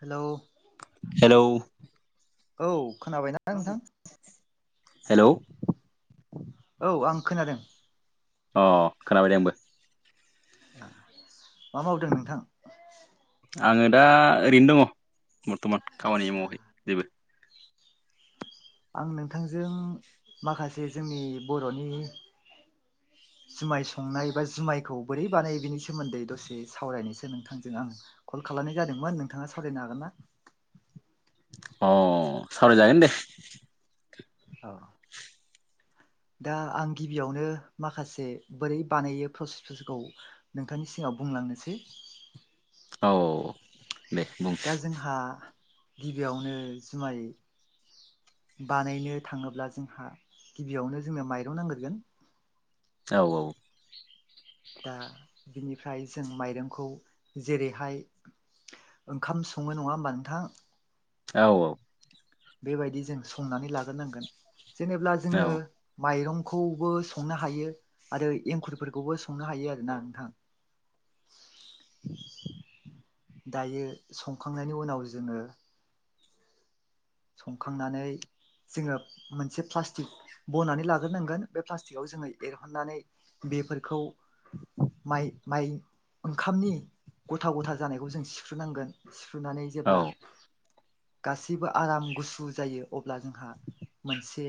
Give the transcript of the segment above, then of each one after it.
Hello hello औ खोनाबायना नोंथां हेलौ औ आं खोनादों अ खोनाबाय दे आंबो मा मावदों नोंथां आङो दा ओरैनो दङ बर्थमान खामानि आदसा मावाखै जेबो आं नोंथांजों माखासे जोंनि बर'नि जुमाय संनाय बा जुमायखौ बोरै बानायो बिनि सोमोन्दै दसे सावरायनायसो नोंथांजों आं कल खालामनाय जादोंमोन नोंथाङा सावरायनो हागोन ना अ सावरायजागोन दे औ दा आं गिबियावनो माखासे बोरै बानायो प्रसेसफोरखौ नोंथांनि सिगाङाव बुंलांनोसै औ दे बुं दा जोंहा गिबियावनो जुमाय बानायनो थाङोब्ला जोंहा गिबियावनो जोंनो माइरं नांगोरगोन औ औ दा बिनिफ्राय जों माइरंखौ जेरैहाय ओंखाम सङो नङा होमबा नोंथां? औ औ। बेबायदि जों संनानै लाग्रोनांगोन। जेनेब्ला औ जोङो माइरंखौबो संनो हायो आरो एंखुरफोरखौबो संनो हायो आरोना नोंथां। [inaudible] दायो संखांनायनि उनाव जोङो संखांनानै जोङो मोनसे प्लास्टिक बनानै लाग्रोनांगोन बे प्लास्टिकआव जोङो एरहननानै बेफोरखौ माइ माइ ओंखामनि गथा गथा जानायखौ जों सिख्रुबनांगोन सिख्रुबनानै औ जेब्ला गासैबो आराम गुसु जायो अब्ला जोंहा मोनसे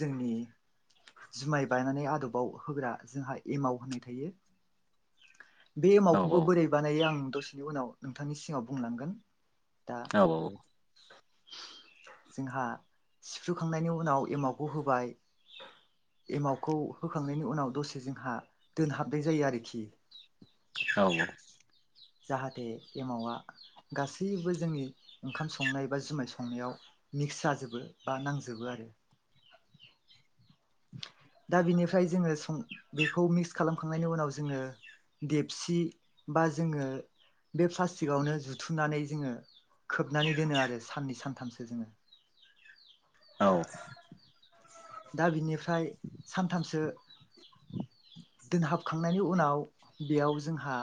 जोंनि जुमाय बायनानै आदबाव होग्रा जोंहा एमाव होननाय थायो। बे औ एमावखौबो बोरै बानायो आं दसेनि उनाव नोंथांनि सिगाव बुंलांगोन। दा औ औ औ। जोंहा सिफ्रुखांनायनि उनाव एमावखौ होबाय एमावउखौ होखांनायनि उनाव दसे जोंहा दोनहाबनाय जायो आरोखि। औ। जाहाथे एमावा गासैबो जोंनि ओंखाम संनाय बा जुमाय संनायाव मिक्स जाजोबो बा नांजोबो आरो। दा बिनिफ्राय जोङों बेखौ मिक्स खालामखांनायनि उनाव जोङो देगसि बा जोङो बे प्लास्टिकआवनो जुथुमनानै जोङो खोबनानै दोनो आरो साननै सानथामसो जोङो। औ। दा बिनिफ्राय सानथामसो दोनहाबखांनायनि उनाव बेयाव जोंहा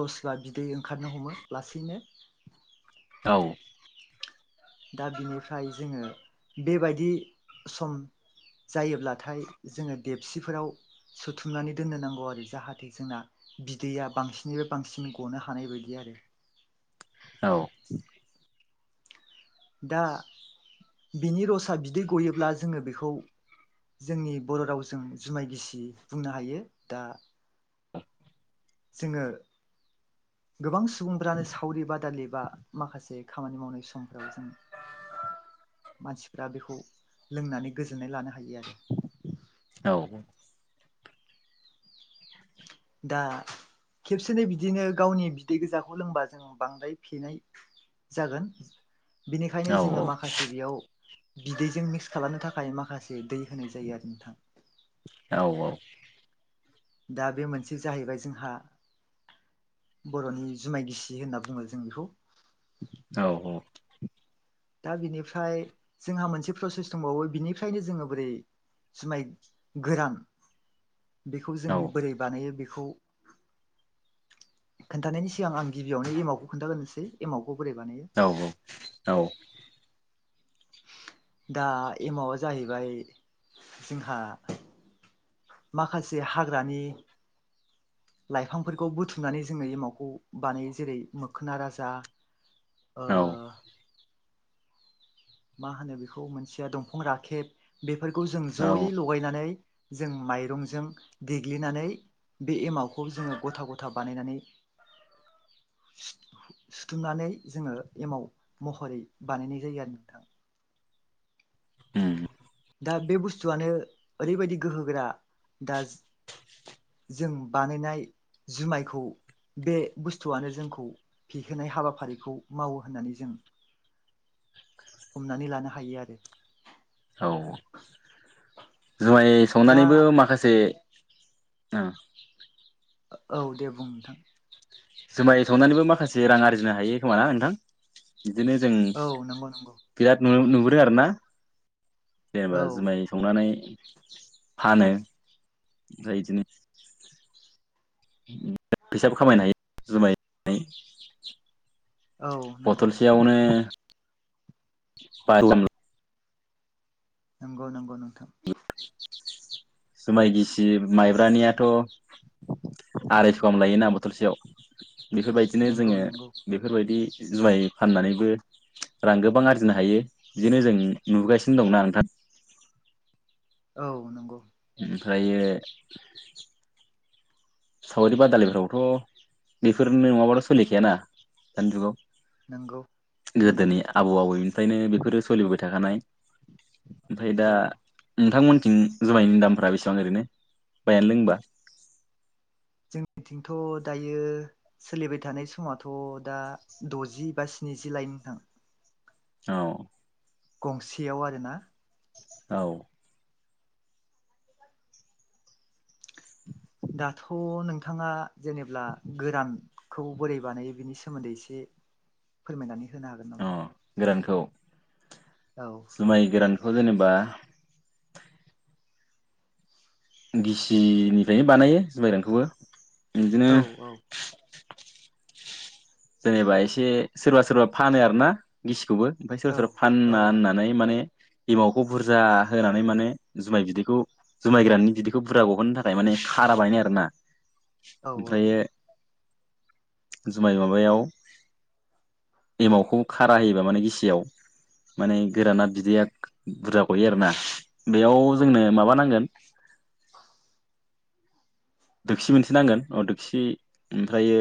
रस बा बिदै ओंखारनो हमो लासैनो। औ। दा बिनिफ्राय जोङो बेबायदि सम जायोब्लाथाय जोङो देपसिफोराव सोथुमनानै दोननो नांगौ आरो। जाहाथे जोंना बिदैया बांसिननिफ्राय बांसिन गनो हानाय बायदि आरो। औ। दा बिनि रसा बिदै गयोब्ला जोङो बेखौ जोंनि बर' रावजों जुमाय गिसि बुंनो हायो। दा जोङो गोबां सुबुंफ्रानो सावरि बादालि बा माखासे खामानि मावनाय समफोराव जों मानसिफ्रा बेखौ लोंनानै गोजोननाय लानो हायो आरो। औ। दा खेबसेनो बिदिनो गावनि बिदै गोजाखौ लोंबा जों बांद्राय फेनाय जागोन बिनिखायनो जोङो माखासे बेयाव बिदैजों मिक्स खालामनो थाखाय माखासे दै होनाय जायो आरो नोंथां। औ औ। दा बे मोनसे जाहैबाय जोंहा बर'नि जुमाय गिसि होनना बुङो जों बेखौ। औ औ। दा बिनिफ्राय जोंहा मोनसे प्रसेस दंबावो बिनिफ्रायनो जोङो बोरै जुमाय गोरान बेखौ जों बोरै बानायो बेखौ खोनन्थानायनि सिगां आं गिबियावनो एमावखौ खोन्थाग्रोसै एमावखौ बोरै बानायो। औ औ औ। दा एमावआ जाहैबाय जोंहा माखासे हाग्रानि लाइफांफोरखौ बुथुमनानै जोङो एमावखौ बानायो जेरै मोखोना राजा ओ मा होनो बेखौ मोनसेया दंफां राखेब बेफोरखौ जों जयै लगायनानै जों माइरंजों देग्लिनानै बे एमावखौ जोङो गथा गथा बानायनानै [unintelligible] सुथुमनानै जोङो एमाव महरै बानायनाय जायो आरो नोंथाङा उम दा बे बुस्थुआनो ओरैबायदि गोहोगोरा दा जों बानायनाय जुमायखौ बे बुस्थुआनो जोंखौ फेहोनाय हाबाफारिखौ मावो होननानै जों हमनानै लानो हायो आरो औ जुमाय दा संनानैबो माखासे औ दे बुं नोंथां जुमाइ संनानैबो माखासे रां आर्जिनो हायो खोमा ना नोंथां बिदिनो जों औ नंगौ नंगौ बिराद नु नुबुदों आरो ना जेनेबा औ जुमाइ संनानै फानो ओमफ्राय बिदिनो फैसाबो खामायनो हायो जुमाय [unintelligible] औ नंगौ बथल सेयावनो बाजि [unintelligible] नंगौ नंगौ नोंथां जुमाय गिसि माइब्रानियाथ' आरायस' गाहाम लायोना बथलसेयाव बेफोरबायदिनो नंगौ जोङो नंगौ बेफोरबायदि जुमाइ फाननानैबो रां गोबां आरजिनो हायो बिदिनो जों नुबोगासिनो दं ना नोंथां औ नंगौ ओमफ्रायो सावरि बादालिफोरावथ' बेफोर नङाबाथ' सोलिखायाना दानि जुगाव नंगौ नंगौ गोदोनि आबौ आबौनिफ्रायनो बेफोरो सोलिबोबाय थाखानाय ओमफ्राय दा औ नोंथांमोनथिं जुमायनि दामफ्रा बेसेबां ओरैनो बायनानै लोंबा जोंनिथिंथ' दायो सोलिबाय थानाय समावथ' दा द'जि बा स्निजि लायो नोंथां औ गंसेयाव आरोना औ दाथ' नोंथाङा जेनेब्ला गोरान खौ बोरै बानायो बिनि सोमोन्दै एसे फोरमायनानै होनो हागोन अ नामा गोरानखौ औ जौमाइ गोरानखौ जेनेबा गिसिनिफ्रायनो बानायो जौमाइ गोरानखौबो बिदिनो औ औ जेनेबा एसे सोरबा सोरबा फानो आरोना गिसिखौबो ओमफ्राय सोरबा औ सोरबा औ फाना होनोना नाय माने एमावखौ बुरजा होनानै माने जौमाइ बिदैखौ जौमाइ गोराननि बिदैखौ बुरजा गहोनो थाखाय माने खारा बायनायनो आरोना [unintelligible] औ औ ओमफ्रायो जौमाइ माबायाव एमावखौबो खारा होयोबा माने गिसियाव माने गोराना बिदैया बुरजा गयो आरोना बेयाव औ जोंनो माबानांगोन [inaudible] दोखसि मोनसे नांगोन अ दोखसि ओमफ्रायो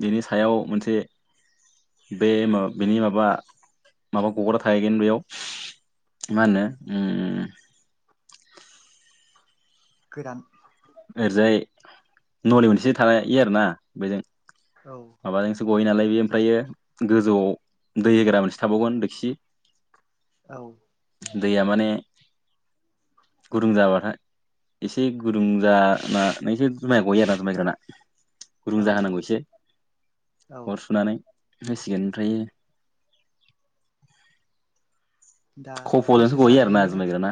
बेनि सायाव मोनसे बे मा बेनि माबा माबा गग्रा थाहैगोन बेयाव मा होनो ओ गोरान ओरैजाय नलि मोनसे थायो आरोना बेजों औ माबाजोंसो गयो नालाय बे ओमफ्रायो गोजौआव दै होग्रा मोनसे थाबावगोन देखसि औ दैया माने गुदुं जाबाथाय एसे गुदुं जानानैसो जुमाइ गयो आरोना जुमाइ जाना गुदुं औ औ जाहोनांगौ एसे औ अर सुनानै होसिगोन ओमफ्रायो दा खफ'जोंसो प्रसेसा गयो आरोना बेनो जुमाय गोराना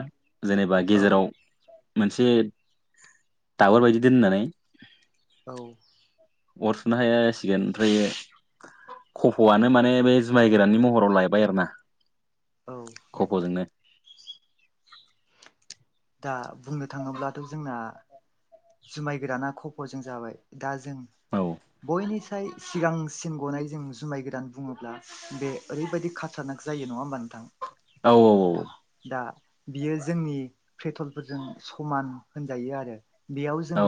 जेनेबा औ गेजेराव मोनसे दाबोर बायदि दोननानै औ अर सुना होसिगोन ओमफ्रायो खफ'आनो माने बे जुमाय गोरानानि महराव लायबाय आरो ना औ नंगौ खफ'जोंनो दा बुंनो थाङोब्लाथ' जोंना जुमाय गोराना खफ'जों जाबाय दा जों औ बयनिख्रुय सिगांसिन गनाय जों जुमाय गोरान बुङोब्ला बे ओरैबायदि खाथारनाक जायो नङा होमबा नोंथां औ औ औ दा बियो जोंनि पेट्रलफोरजों समान होनजायो आरो बेयाव जों औ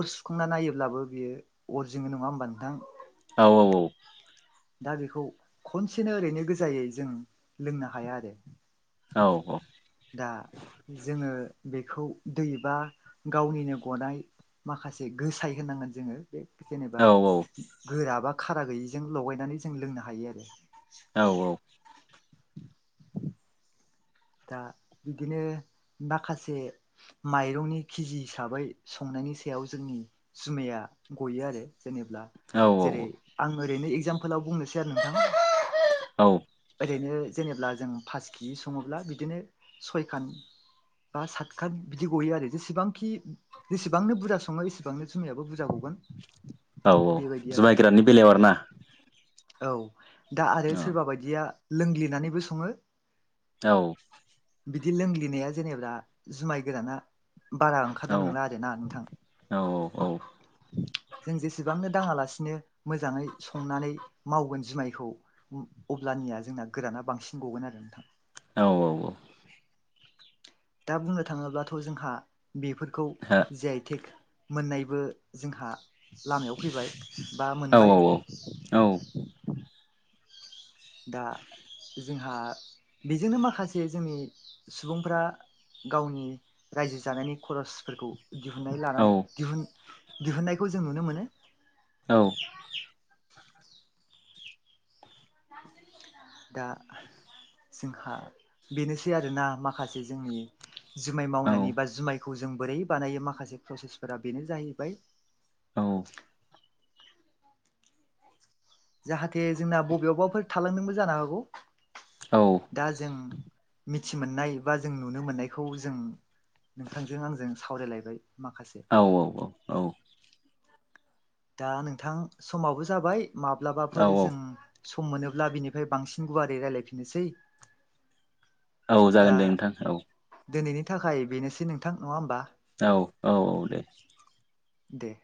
अर सुखांना नायोब्लाबो बियो अर जोंङो नङा होमबा नोंथां औ औ औ दा बेखौ खनसेनो ओरैनो गोजायै जों लोंनो हाया आरो औ औ दा जोङो बेखौ दैबा गावनिनो गनाय माखासे गोसाय होननांगोन जोङो बे जेनेबा औ गोरा बा खारा गैयिजों लगायनानै जों लोंनो हायो आरो औ औ दा बिदिनो माखासे माइरंनि केजि हिसाबै संनायनि सायाव जोंनि जुमाया गयो आरो जेनेब्ला जेरै आं ओरैनो एगजामपोलाव बुंनोसै आरो नोंथां [inaudible] औ ओरैनो जेनेब्ला जों पास केिजि सङोब्ला बिदिनो सयखान बा सातखान बिदि गयो आरो जेसेबांखि जेसेबांनो बुरजा सङो एसेबांनो जुमायाबो बुरजा गगोन औ औ बेबायदि आरो जुमाय गोराननि बेलायाव आरोना औ दा आरो सोरबा बायदिया लोंग्लिनानैबो सङो औ बिदि लोंग्लिनाया जेनेबा जुमाय गोराना बारा औ ओंखारनाय नंला आरो ना नोंथां औ जों जेसेबांनो दाङालासिनो मोजाङै संनानै मावगोन जुमायखौ अब्लानिया जोंना गोराना बांसिन गगोन आरो नोंथां औ औ औ दा बुंनो थाङोब्लाथ' जोंहा बेफोरखौ हो जि आइटेक मोननायबो जोंहा लामायाव फैबाय बा औ मोनबाय औ दा जोंहा बेजोंनो माखासे जोंनि सुबुंफ्रा गावनि रायजो जानायनि खरसफोरखौ दिहुननाय लानानै दिहुन दिहुननायखौ जों नुनो मोनो औ दा जोंहा बेनोसै आरोना माखासे जोंनि जुमाय मावनानै बा जुमायखौ जों बोरै बानायो माखासे प्रसेसफोरा बेनो जाहैबाय औ जाहाथे जोंना बबेयावबाफोर थालांदोंबो जानो हागौ औ दा जों मिथि मोननाय बा जों नुनो मोननायखौ जों नोंथांजों आंजों सावरायलायबाय माखासे औ औ औ दा नोंथां समाबो जाबाय औ माब्लाबाफोर जों सम मोनोब्ला बिनिफ्राय बांसिन गुवारै रायलायफिननोसै औ दा जागोन दे नोंथां औ दिनैनि थाखाय बेनोसै नोंथां नङा होमबा औ औ औ दे दे